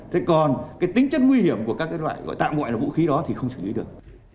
thế còn cái tính chất nguy hiểm của các cái loại gọi tạm ngoại là vũ khí đó thì không xử lý được